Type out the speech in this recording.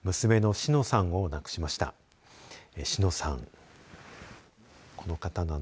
志乃さん